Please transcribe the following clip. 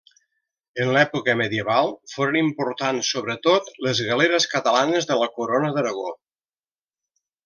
En l'època medieval, foren importants sobretot, les galeres catalanes de la corona d'Aragó.